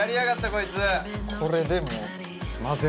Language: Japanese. こいつ。